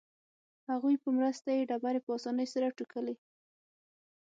هغوی په مرسته یې ډبرې په اسانۍ سره توږلې.